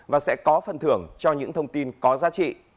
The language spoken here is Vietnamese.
và sẽ có phần thưởng cho những thông tin có giá trị